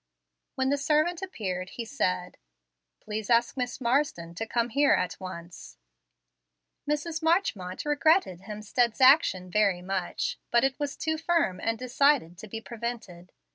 When the servant appeared he said, "Please ask Miss Marsden to come here at once." Mrs. Marchmont regretted Hemstead's action very much, but it was too firm and decided to be prevented.